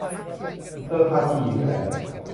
อำเภอภาชีอยู่ที่ไหน